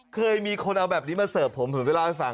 เคยมีคนเอาแบบนี้มาเสิร์ฟผมผมจะเล่าให้ฟัง